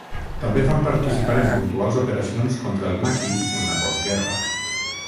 També van participar en puntuals operacions contra el maqui en la postguerra.